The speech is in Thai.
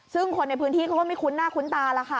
ซึ่งคนในพื้นที่เขาก็ไม่คุ้นหน้าคุ้นตาแล้วค่ะ